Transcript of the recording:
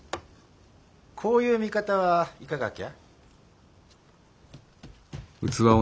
こういう見方はいかがきゃ？